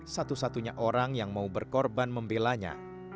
satu satunya orang yang mau berkorban membelanya